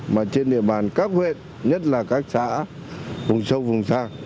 mà trên địa bàn các huyện nhất là các xã vùng sâu vùng xa